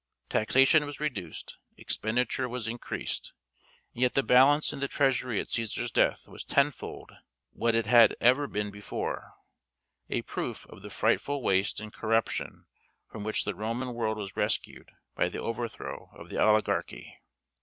Taxation was reduced, expenditure was increased, and yet the balance in the treasury at Cæsar's death was tenfold what it had ever been before a proof of the frightful waste and corruption from which the Roman world was rescued by the overthrow of the oligarchy.